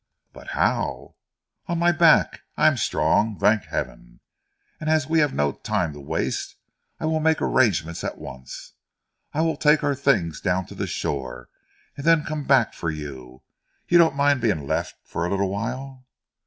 "But how ?" "On my back! I am strong, thank Heaven! And as we have no time to waste I will make arrangements at once. I'll take our things down to the shore, and then come back for you. You don't mind being left for a little while?"